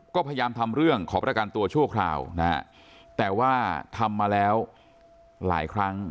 ก็พยายามทำเรื่องขอประกันตัวชั่วคราวนะฮะแต่ว่าทำมาแล้วหลายครั้ง